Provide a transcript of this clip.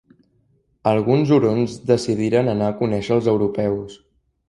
Alguns hurons decidiren anar a conèixer als europeus.